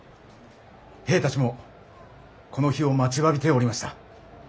兵たちもこの日を待ちわびておりました。